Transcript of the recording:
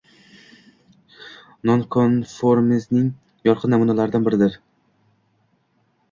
nonkonformizmning yorqin namunalaridan biridir.